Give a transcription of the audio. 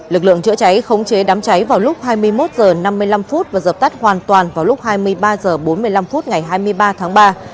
lực lượng chữa cháy khống chế đám cháy vào lúc hai mươi một h năm mươi năm và dập tắt hoàn toàn vào lúc hai mươi ba h bốn mươi năm phút ngày hai mươi ba tháng ba